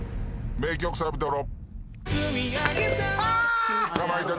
名曲サビトロ。